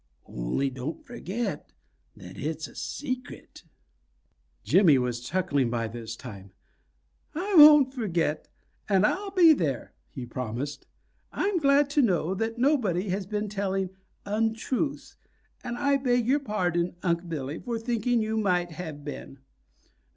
Only don' forget that it's a secret." Jimmy was chuckling by this time. "I won't forget, and I'll be there," he promised. "I'm glad to know that nobody has been telling untruths, and I beg your pardon, Unc' Billy, for thinking you might have been."